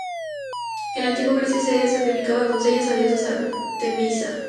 En la Antigua Grecia se sacrificaban doncellas a la diosa Artemisa.